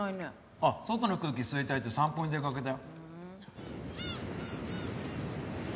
あっ外の空気吸いたいって散歩に出かけたよ。